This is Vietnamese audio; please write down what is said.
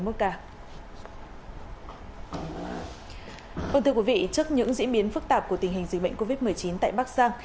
vâng thưa quý vị trước những diễn biến phức tạp của tình hình dịch bệnh covid một mươi chín tại bắc giang